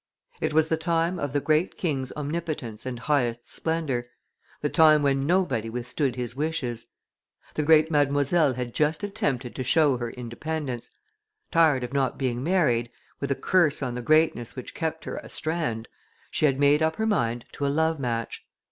It was the time of the great king's omnipotence and highest splendor, the time when nobody withstood his wishes. The great Mademoiselle had just attempted to show her independence: tired of not being married, with a curse on the greatness which kept her astrand, she had made up her mind to a love match.